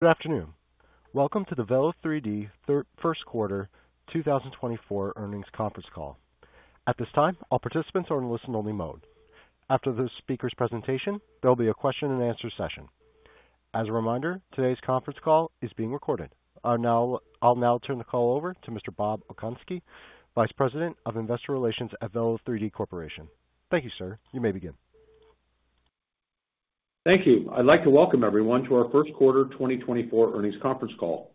Good afternoon. Welcome to the Velo3D First Quarter 2024 earnings conference call. At this time, all participants are in listen-only mode. After the speaker's presentation, there will be a question and answer session. As a reminder, today's conference call is being recorded. Now, I'll turn the call over to Mr. Bob Okunski, Vice President of Investor Relations at Velo3D Corporation. Thank you, sir. You may begin. Thank you. I'd like to welcome everyone to our first quarter 2024 earnings conference call.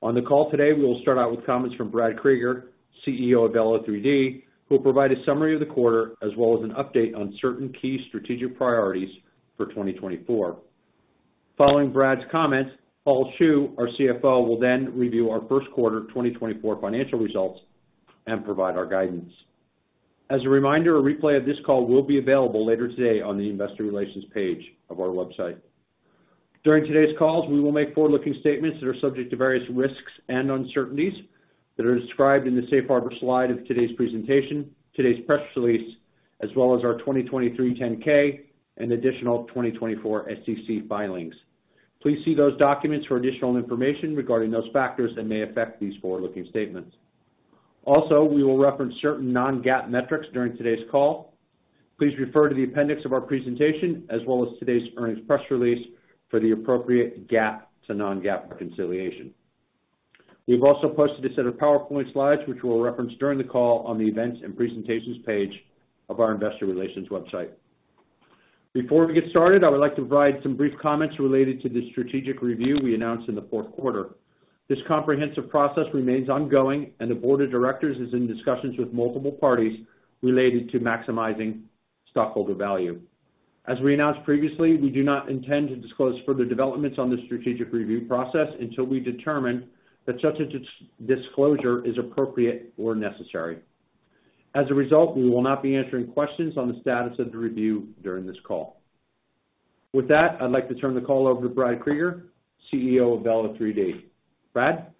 On the call today, we will start out with comments from Brad Kreger, CEO of Velo3D, who will provide a summary of the quarter, as well as an update on certain key strategic priorities for 2024. Following Brad's comments, Hull Xu, our CFO, will then review our first quarter 2024 financial results and provide our guidance. As a reminder, a replay of this call will be available later today on the Investor Relations page of our website. During today's calls, we will make forward-looking statements that are subject to various risks and uncertainties that are described in the Safe Harbor slide of today's presentation, today's press release, as well as our 2023 10-K and additional 2024 SEC filings. Please see those documents for additional information regarding those factors that may affect these forward-looking statements. Also, we will reference certain non-GAAP metrics during today's call. Please refer to the appendix of our presentation as well as today's earnings press release for the appropriate GAAP to non-GAAP reconciliation. We've also posted a set of PowerPoint slides, which we'll reference during the call on the Events and Presentations page of our Investor Relations website. Before we get started, I would like to provide some brief comments related to the strategic review we announced in the fourth quarter. This comprehensive process remains ongoing, and the board of directors is in discussions with multiple parties related to maximizing stockholder value. As we announced previously, we do not intend to disclose further developments on the strategic review process until we determine that such a disclosure is appropriate or necessary. As a result, we will not be answering questions on the status of the review during this call. With that, I'd like to turn the call over to Brad Kreger, CEO of Velo3D. Brad?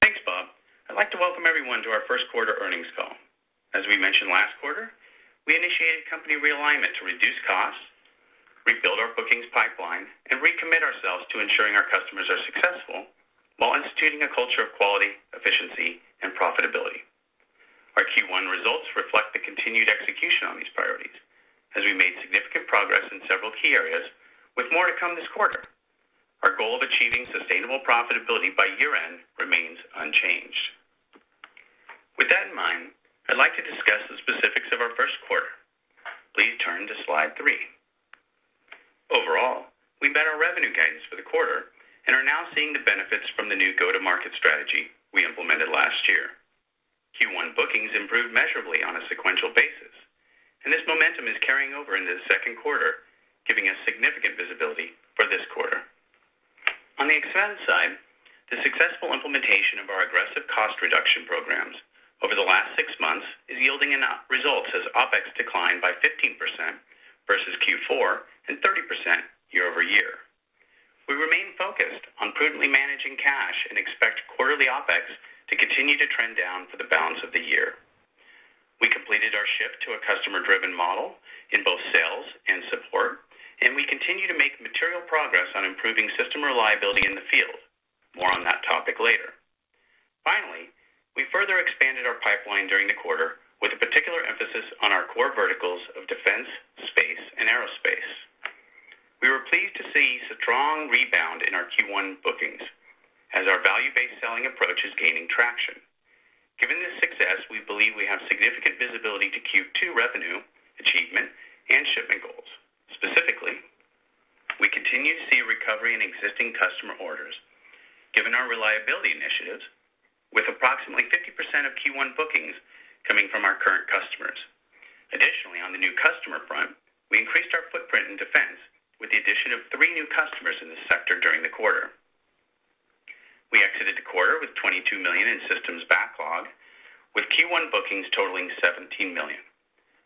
Thanks, Bob. I'd like to welcome everyone to our first quarter earnings call. As we mentioned last quarter, we initiated a company realignment to reduce costs, rebuild our bookings pipeline, and recommit ourselves to ensuring our customers are successful while instituting a culture of quality, efficiency, and profitability. Our Q1 results reflect the continued execution on these priorities, as we made significant progress in several key areas, with more to come this quarter. Our goal of achieving sustainable profitability by year-end remains unchanged. With that in mind, I'd like to discuss the specifics of our first quarter. Please turn to slide three. Overall, we met our revenue guidance for the quarter and are now seeing the benefits from the new go-to-market strategy we implemented last year. Q1 bookings improved measurably on a sequential basis, and this momentum is carrying over into the second quarter, giving us significant visibility for this quarter. On the expense side, the successful implementation of our aggressive cost reduction programs over the last six months is yielding enough results as OpEx declined by 15% versus Q4 and 30% year-over-year. We remain focused on prudently managing cash and expect quarterly OpEx to continue to trend down for the balance of the year. We completed our shift to a customer-driven model in both sales and support, and we continue to make material progress on improving system reliability in the field. More on that topic later. Finally, we further expanded our pipeline during the quarter, with a particular emphasis on our core verticals of defense, space and aerospace. We were pleased to see a strong rebound in our Q1 bookings as our value-based selling approach is gaining traction. Given this success, we believe we have significant visibility to Q2 revenue, achievement, and shipping goals. Specifically, we continue to see a recovery in existing customer orders, given our reliability initiatives, with approximately 50% of Q1 bookings coming from our current customers. Additionally, on the new customer front, we increased our footprint in defense with the addition of three new customers in this sector during the quarter. We exited the quarter with $22 million in systems backlog, with Q1 bookings totaling $17 million,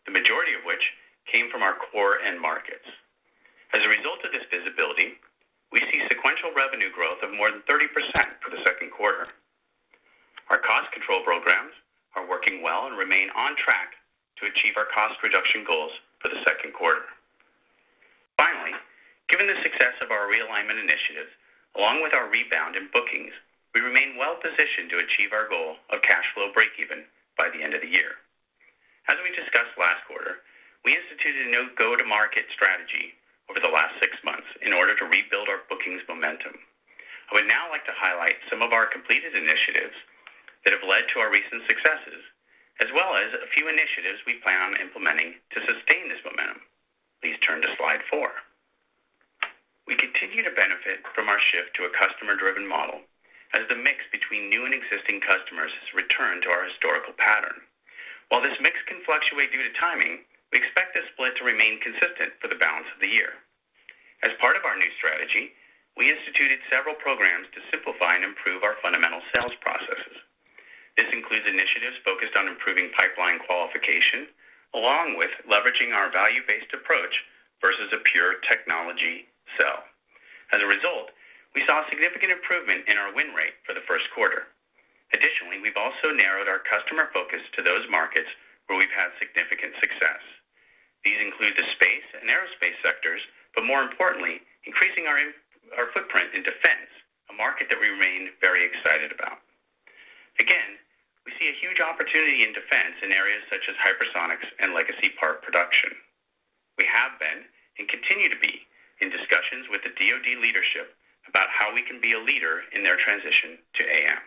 the majority of which came from our core end markets. As a result of this visibility, we see sequential revenue growth of more than 30% for the second quarter. Our cost control programs are working well and remain on track to achieve our cost reduction goals for the second quarter. Finally, given the success of our realignment initiatives, along with our rebound in bookings, we remain well positioned to achieve our goal of cash flow breakeven by the end of the year. As we discussed last quarter, we instituted a new go-to-market strategy over the last six months in order to rebuild our bookings momentum. I would now like to highlight some of our completed initiatives that have led to our recent successes, as well as a few initiatives we plan on implementing to sustain this momentum. Please turn to slide four. We continue to benefit from our shift to a customer-driven model as the mix between new and existing customers has returned to our historical pattern. While this mix can fluctuate due to timing, we expect this split to remain consistent for the balance of the year. As part of our new strategy, we instituted several programs to simplify and improve our fundamental sales processes. This includes initiatives focused on improving pipeline qualification, along with leveraging our value-based approach versus a pure technology sell. As a result, we saw a significant improvement in our win rate for the first quarter. Additionally, we've also narrowed our customer focus to those markets where we include the space and aerospace sectors, but more importantly, increasing our footprint in defense, a market that we remain very excited about. Again, we see a huge opportunity in defense in areas such as hypersonics and legacy part production. We have been, and continue to be, in discussions with the DOD leadership about how we can be a leader in their transition to AM.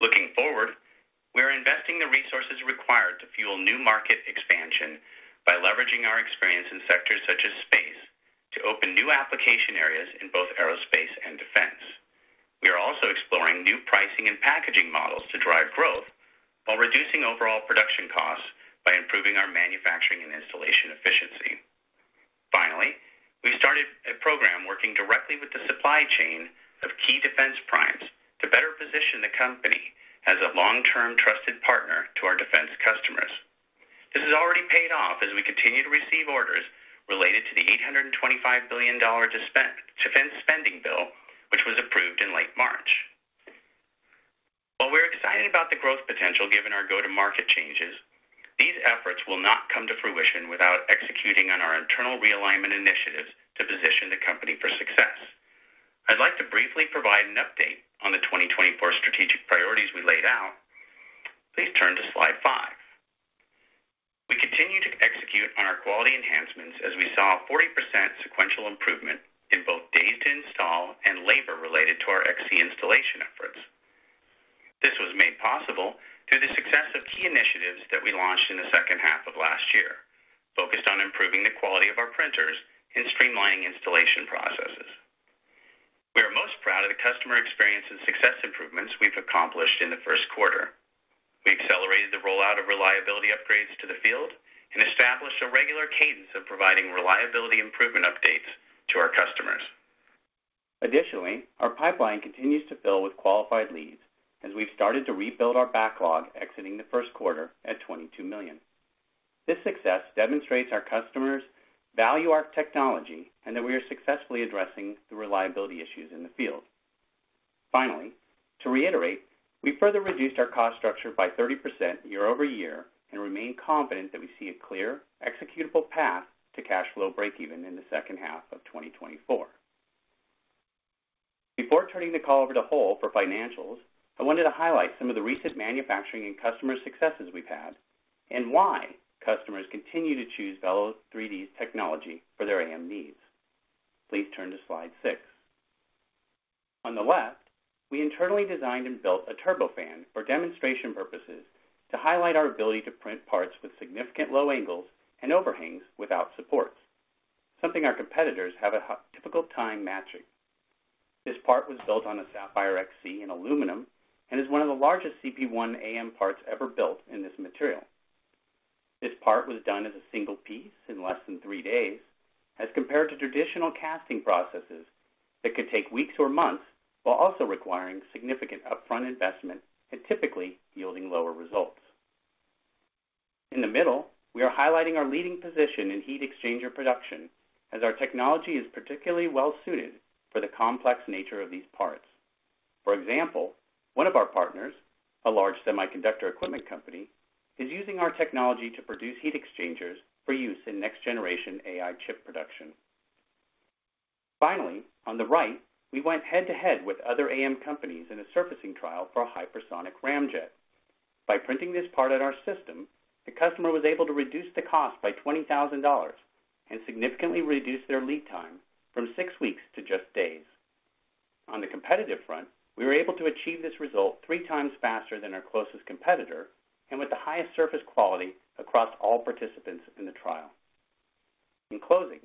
Looking forward, we are investing the resources required to fuel new market expansion by leveraging our experience in sectors such as space, to open new application areas in both aerospace and defense. We are also exploring new pricing and packaging models to drive growth while reducing overall production costs by improving our manufacturing and installation efficiency. Finally, we started a program working directly with the supply chain of key defense primes to better position the company as a long-term trusted partner to our defense customers. This has already paid off as we continue to receive orders related to the $825 billion defense, defense spending bill, which was approved in late March. While we're excited about the growth potential given our go-to-market changes, these efforts will not come to fruition without executing on our internal realignment initiatives to position the company for success. I'd like to briefly provide an update on the 2024 strategic priorities we laid out. Please turn to slide five. We continue to execute on our quality enhancements as we saw a 40% sequential improvement in both days to install and labor related to our XC installation efforts. This was made possible through the success of key initiatives that we launched in the second half of last year, focused on improving the quality of our printers and streamlining installation processes. We are most proud of the customer experience and success improvements we've accomplished in the first quarter. We accelerated the rollout of reliability upgrades to the field and established a regular cadence of providing reliability improvement updates to our customers. Additionally, our pipeline continues to fill with qualified leads as we've started to rebuild our backlog, exiting the first quarter at $22 million. This success demonstrates our customers value our technology and that we are successfully addressing the reliability issues in the field. Finally, to reiterate, we further reduced our cost structure by 30% year-over-year, and remain confident that we see a clear executable path to cash flow breakeven in the second half of 2024. Before turning the call over to Hull for financials, I wanted to highlight some of the recent manufacturing and customer successes we've had and why customers continue to choose Velo3D's technology for their AM needs. Please turn to slide six. On the left, we internally designed and built a turbofan for demonstration purposes to highlight our ability to print parts with significant low angles and overhangs without supports, something our competitors have a hard, difficult time matching. This part was built on a Sapphire XC in aluminum and is one of the largest LPBF AM parts ever built in this material. This part was done as a single piece in less than three days, as compared to traditional casting processes that could take weeks or months, while also requiring significant upfront investment and typically yielding lower results. In the middle, we are highlighting our leading position in heat exchanger production, as our technology is particularly well suited for the complex nature of these parts. For example, one of our partners, a large semiconductor equipment company, is using our technology to produce heat exchangers for use in next-generation AI chip production. Finally, on the right, we went head-to-head with other AM companies in a surfacing trial for a hypersonic ramjet. By printing this part on our system, the customer was able to reduce the cost by $20,000 and significantly reduce their lead time from six weeks to just days. On the competitive front, we were able to achieve this result three times faster than our closest competitor and with the highest surface quality across all participants in the trial. In closing,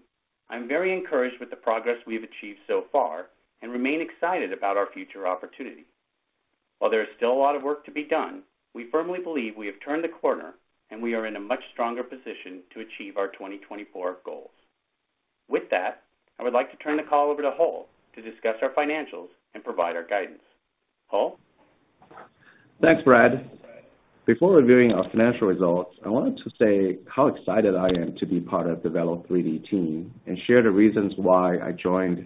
I'm very encouraged with the progress we've achieved so far and remain excited about our future opportunity. While there is still a lot of work to be done, we firmly believe we have turned the corner and we are in a much stronger position to achieve our 2024 goals. With that, I would like to turn the call over to Hull to discuss our financials and provide our guidance. Hull? Thanks, Brad. Before reviewing our financial results, I wanted to say how excited I am to be part of the Velo3D team and share the reasons why I joined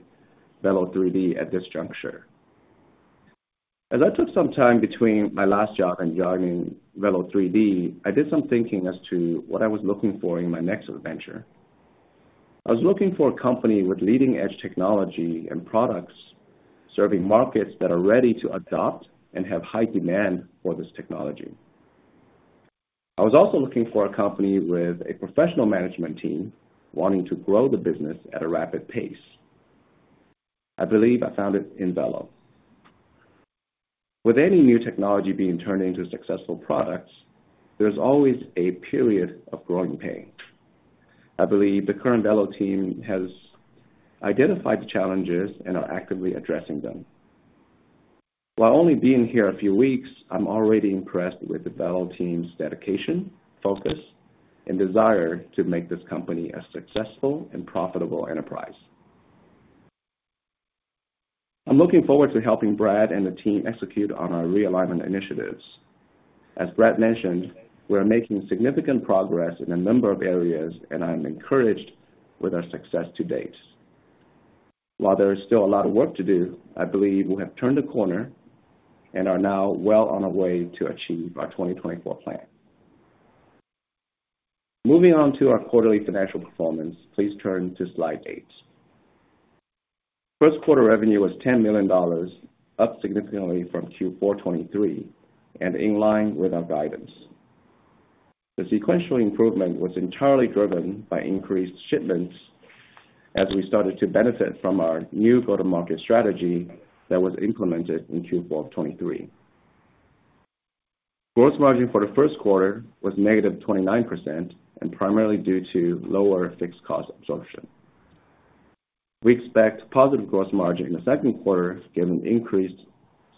Velo3D at this juncture. As I took some time between my last job and joining Velo3D, I did some thinking as to what I was looking for in my next adventure. I was looking for a company with leading-edge technology and products, serving markets that are ready to adopt and have high demand for this technology. I was also looking for a company with a professional management team wanting to grow the business at a rapid pace. I believe I found it in Velo. With any new technology being turned into successful products, there's always a period of growing pain. I believe the current Velo team has identified the challenges and are actively addressing them. While only being here a few weeks, I'm already impressed with the Velo team's dedication, focus, and desire to make this company a successful and profitable enterprise. I'm looking forward to helping Brad and the team execute on our realignment initiatives. As Brad mentioned, we are making significant progress in a number of areas, and I am encouraged with our success to date. While there is still a lot of work to do, I believe we have turned the corner and are now well on our way to achieve our 2024 plan. Moving on to our quarterly financial performance, please turn to slide 8. First quarter revenue was $10 million, up significantly from Q4 2023, and in line with our guidance. The sequential improvement was entirely driven by increased shipments as we started to benefit from our new go-to-market strategy that was implemented in Q4 of 2023. Gross margin for the first quarter was negative 29%, and primarily due to lower fixed cost absorption. We expect positive gross margin in the second quarter, given the increased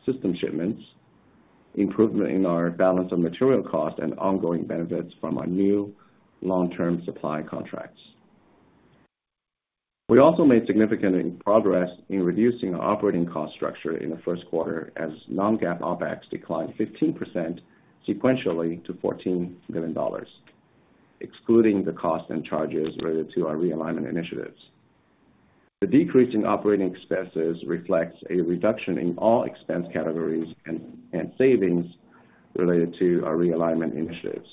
system shipments, improvement in our bill of materials costs, and ongoing benefits from our new long-term supply contracts. We also made significant progress in reducing our operating cost structure in the first quarter, as non-GAAP OpEx declined 15% sequentially to $14 million, excluding the costs and charges related to our realignment initiatives. The decrease in operating expenses reflects a reduction in all expense categories and savings related to our realignment initiatives.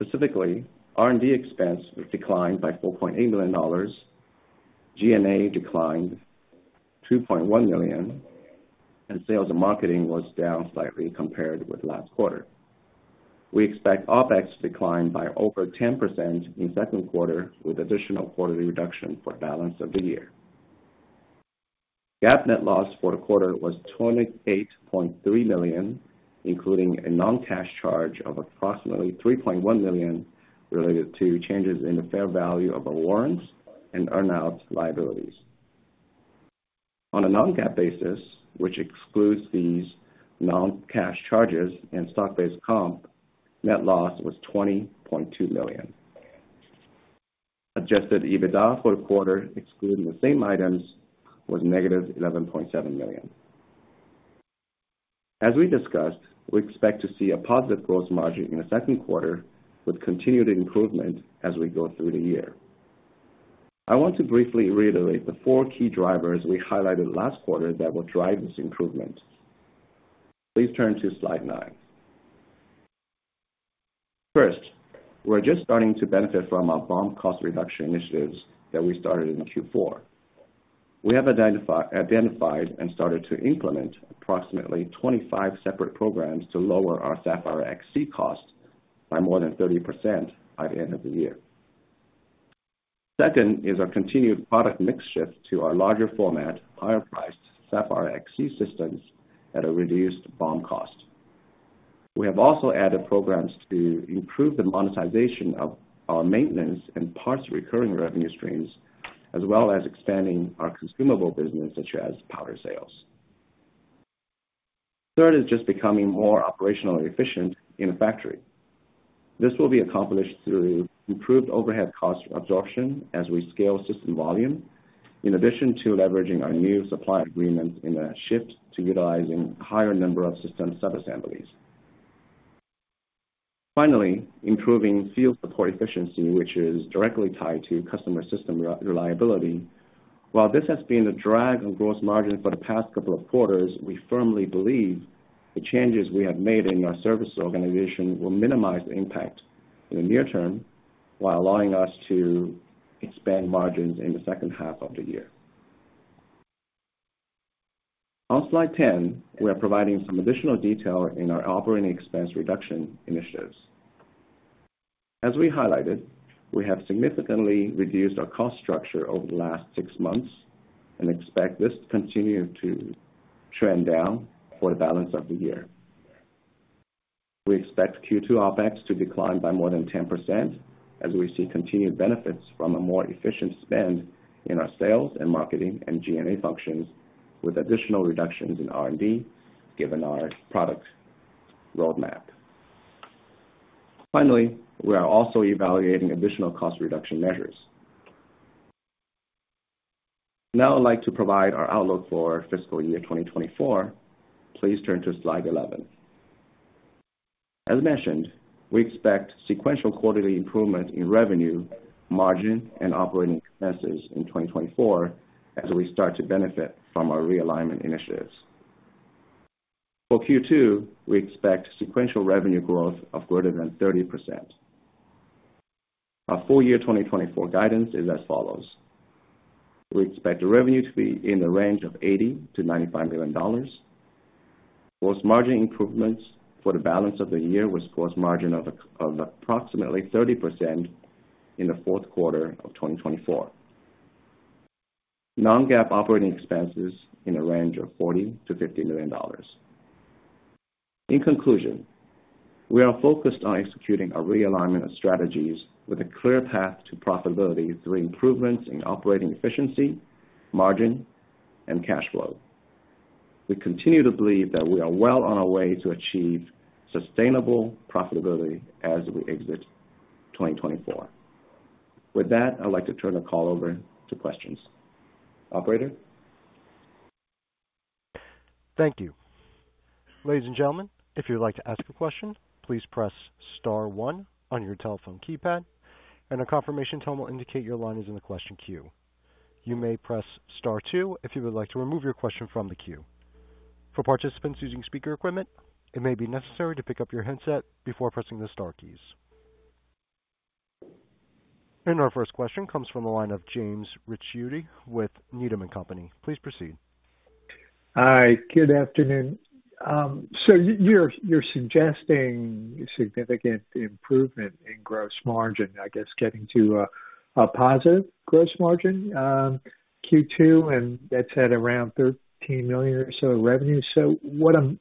Specifically, R&D expense declined by $4.8 million, G&A declined $2.1 million, and sales and marketing was down slightly compared with last quarter. We expect OpEx to decline by over 10% in second quarter, with additional quarterly reduction for balance of the year. GAAP net loss for the quarter was $28.3 million, including a non-cash charge of approximately $3.1 million, related to changes in the fair value of our warrants and earnout liabilities. On a non-GAAP basis, which excludes these non-cash charges and stock-based comp, net loss was $20.2 million. Adjusted EBITDA for the quarter, excluding the same items, was -$11.7 million. As we discussed, we expect to see a positive gross margin in the second quarter, with continued improvement as we go through the year. I want to briefly reiterate the four key drivers we highlighted last quarter that will drive this improvement. Please turn to slide nine. First, we're just starting to benefit from our BOM cost reduction initiatives that we started in Q4. We have identified and started to implement approximately 25 separate programs to lower our Sapphire XC costs by more than 30% by the end of the year. Second is our continued product mix shift to our larger format, higher-priced Sapphire XC systems at a reduced BOM cost. We have also added programs to improve the monetization of our maintenance and parts recurring revenue streams, as well as expanding our consumable business, such as powder sales. Third is just becoming more operationally efficient in the factory. This will be accomplished through improved overhead cost absorption as we scale system volume, in addition to leveraging our new supply agreements in a shift to utilizing a higher number of system subassemblies. Finally, improving field support efficiency, which is directly tied to customer system reliability. While this has been a drag on gross margin for the past couple of quarters, we firmly believe the changes we have made in our service organization will minimize the impact in the near term, while allowing us to expand margins in the second half of the year. On slide 10, we are providing some additional detail in our operating expense reduction initiatives. As we highlighted, we have significantly reduced our cost structure over the last six months and expect this to continue to trend down for the balance of the year. We expect Q2 OpEx to decline by more than 10%, as we see continued benefits from a more efficient spend in our sales and marketing and G&A functions, with additional reductions in R&D, given our product roadmap. Finally, we are also evaluating additional cost reduction measures. Now I'd like to provide our outlook for fiscal year 2024. Please turn to slide 11. As mentioned, we expect sequential quarterly improvement in revenue, margin, and operating expenses in 2024 as we start to benefit from our realignment initiatives. For Q2, we expect sequential revenue growth of greater than 30%. Our full year 2024 guidance is as follows: We expect the revenue to be in the range of $80 million-$95 million. Gross margin improvements for the balance of the year with gross margin of approximately 30% in the fourth quarter of 2024. Non-GAAP operating expenses in the range of $40 million-$50 million. In conclusion, we are focused on executing a realignment of strategies with a clear path to profitability through improvements in operating efficiency, margin, and cash flow. We continue to believe that we are well on our way to achieve sustainable profitability as we exit 2024. With that, I'd like to turn the call over to questions. Operator? .Thank you. Ladies and gentlemen, if you'd like to ask a question, please press star one on your telephone keypad, and a confirmation tone will indicate your line is in the question queue. You may press star two if you would like to remove your question from the queue. For participants using speaker equipment, it may be necessary to pick up your handset before pressing the star keys. Our first question comes from the line of James Ricchiuti with Needham & Company. Please proceed. Hi, good afternoon. So you're suggesting significant improvement in gross margin, I guess, getting to a positive gross margin, Q2, and that's at around $13 million or so of revenue. So what I'm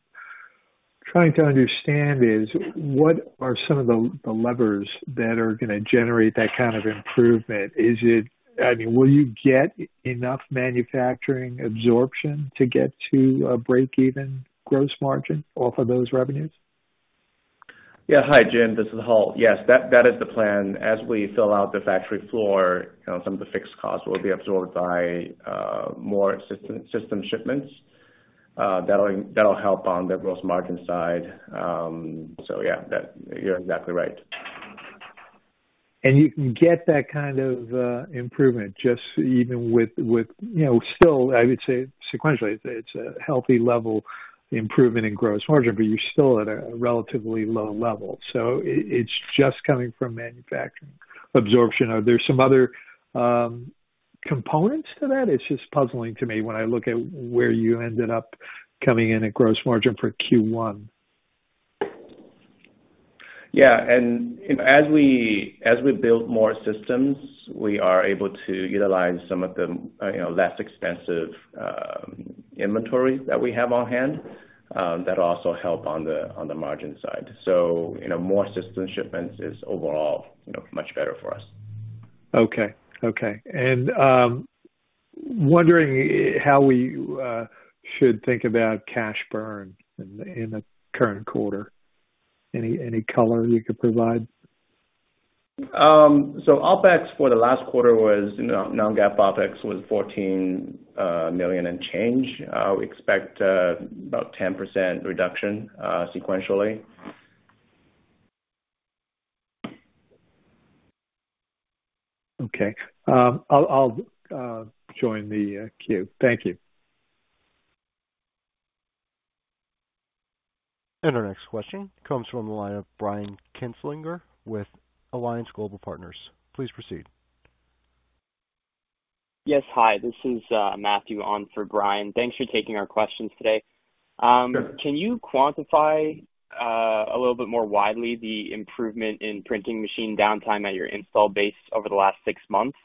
trying to understand is, what are some of the levers that are gonna generate that kind of improvement? Is it—I mean, will you get enough manufacturing absorption to get to a break-even gross margin off of those revenues? Yeah. Hi, Jim, this is Hull. Yes, that, that is the plan. As we fill out the factory floor, you know, some of the fixed costs will be absorbed by more system, system shipments. That'll, that'll help on the gross margin side. So yeah, that—you're exactly right. You can get that kind of improvement just even with, with, you know, still, I would say sequentially, it's a healthy level improvement in gross margin, but you're still at a relatively low level. So it's just coming from manufacturing absorption or there's some other components to that? It's just puzzling to me when I look at where you ended up coming in at gross margin for Q1. Yeah, and as we, as we build more systems, we are able to utilize some of the, you know, less expensive, inventory that we have on hand, that also help on the, on the margin side. So, you know, more system shipments is overall, you know, much better for us. Okay. Okay. Wondering how we should think about cash burn in the current quarter. Any color you could provide? So OpEx for the last quarter was, you know, Non-GAAP OpEx, was $14 million and change. We expect about 10% reduction sequentially. Okay. I'll join the queue. Thank you. Our next question comes from the line of Brian Kinstlinger with Alliance Global Partners. Please proceed. Yes, hi, this is Matthew on for Brian. Thanks for taking our questions today. Sure. Can you quantify a little bit more widely the improvement in printing machine downtime at your installed base over the last six months?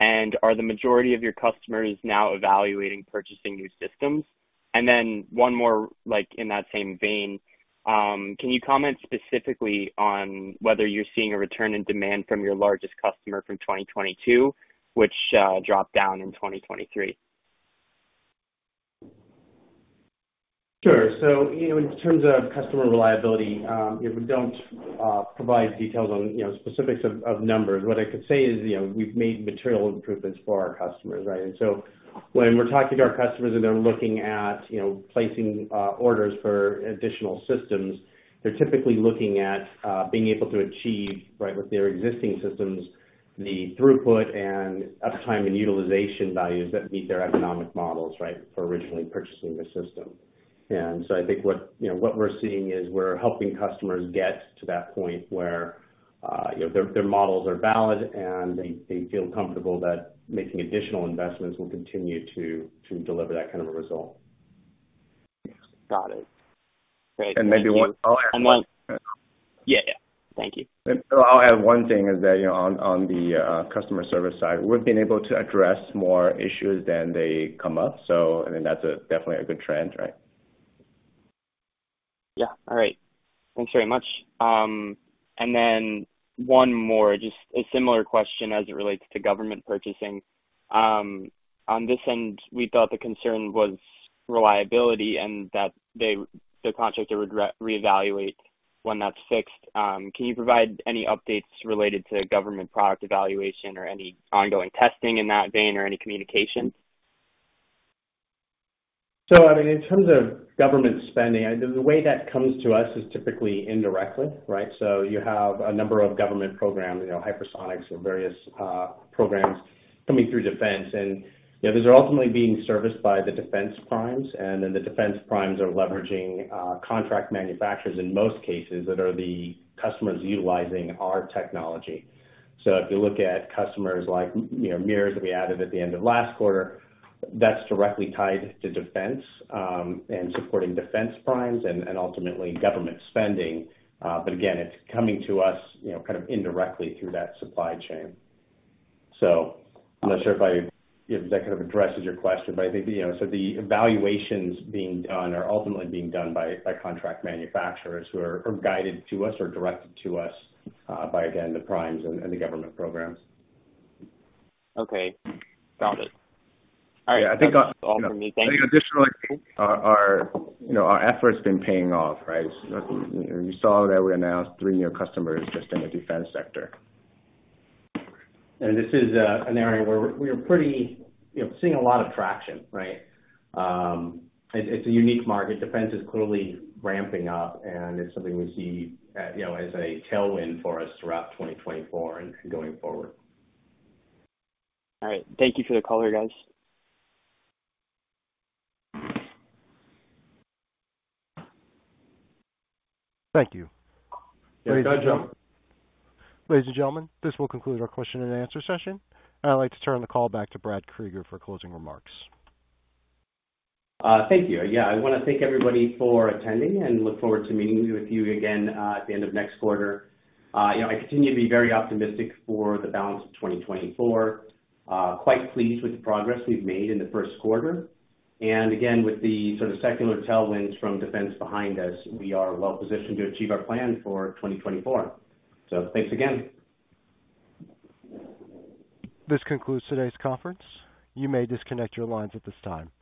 And are the majority of your customers now evaluating purchasing new systems? And then one more, like, in that same vein, can you comment specifically on whether you're seeing a return in demand from your largest customer from 2022, which dropped down in 2023? Sure. So, you know, in terms of customer reliability, we don't provide details on, you know, specifics of numbers. What I could say is, you know, we've made material improvements for our customers, right? And so when we're talking to our customers and they're looking at, you know, placing orders for additional systems, they're typically looking at being able to achieve, right, with their existing systems, the throughput and uptime and utilization values that meet their economic models, right, for originally purchasing the system. And so I think what, you know, what we're seeing is we're helping customers get to that point where, you know, their models are valid, and they feel comfortable that making additional investments will continue to deliver that kind of a result. Got it. Great. And maybe one- Yeah. Yeah. Thank you. So I'll add one thing is that, you know, on the customer service side, we've been able to address more issues than they come up. So I think that's definitely a good trend, right? Yeah. All right. Thanks very much. And then one more, just a similar question as it relates to government purchasing. On this end, we thought the concern was reliability and that they, the contractor, would reevaluate when that's fixed. Can you provide any updates related to government product evaluation or any ongoing testing in that vein or any communication? So, I mean, in terms of government spending, the way that comes to us is typically indirectly, right? So you have a number of government programs, you know, hypersonics or various programs coming through defense. And, you know, these are ultimately being serviced by the defense primes, and then the defense primes are leveraging contract manufacturers, in most cases, that are the customers utilizing our technology. So if you look at customers like, you know, Mears that we added at the end of last quarter, that's directly tied to defense and supporting defense primes and ultimately government spending. But again, it's coming to us, you know, kind of indirectly through that supply chain. So I'm not sure if I... If that kind of addresses your question, but I think, you know, so the evaluations being done are ultimately being done by contract manufacturers who are guided to us or directed to us by, again, the primes and the government programs. Okay. Got it. All right. Yeah, I think- That's all for me. Thank you. Additionally, our you know, our efforts been paying off, right? You saw that we announced three new customers just in the defense sector. This is an area where we're pretty, you know, seeing a lot of traction, right? It's a unique market. Defense is clearly ramping up, and it's something we see you know, as a tailwind for us throughout 2024 and going forward. All right. Thank you for the color, guys. Thank you. Yeah, gotcha. Ladies and gentlemen, this will conclude our question-and-answer session. I'd like to turn the call back to Brad Kreger for closing remarks. Thank you. Yeah, I wanna thank everybody for attending, and look forward to meeting with you again, at the end of next quarter. You know, I continue to be very optimistic for the balance of 2024. Quite pleased with the progress we've made in the first quarter. And again, with the sort of secular tailwinds from defense behind us, we are well positioned to achieve our plan for 2024. So thanks again. This concludes today's conference. You may disconnect your lines at this time.